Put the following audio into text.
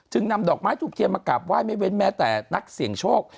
นำดอกไม้ถูกเทียนมากราบไห้ไม่เว้นแม้แต่นักเสี่ยงโชค